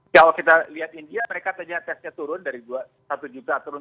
kalau kita lihat india mereka tanya tesnya turun dari satu juta turun tujuh ratus